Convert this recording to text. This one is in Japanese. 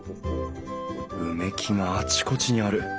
埋木があちこちある。